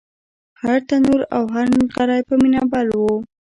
هر تنور او هر نغری په مینه بل و